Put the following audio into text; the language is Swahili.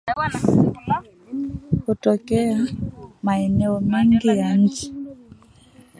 Hutokea maeneo mengi ya nchi